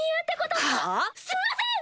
はあ⁉すみません！